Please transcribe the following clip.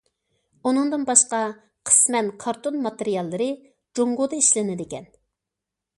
ئۇنىڭدىن باشقا قىسمەن كارتون ماتېرىياللىرى جۇڭگودا ئىشلىنىدىكەن.